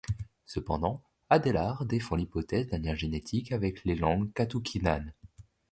Cependant, Adelaar défend l'hypothèse d'un lien génétique avec les langues katukinanes.